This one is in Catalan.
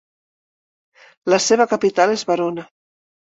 La seva capital és Verona.